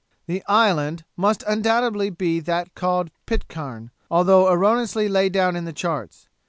'The island must undoubtedly be that called Pitcairn, although erroneously laid down in the charts.